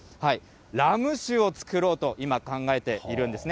ラム酒を造ろうと今、考えているんですね。